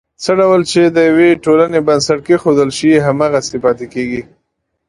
څه ډول چې د یوې ټولنې بنسټ کېښودل شي، هماغسې پاتې کېږي.